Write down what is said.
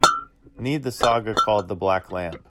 Need the saga called the Black Lamp